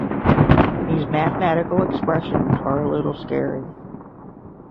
These mathematical expressions are a little scary